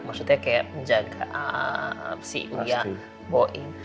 maksudnya kayak menjaga si uya bu im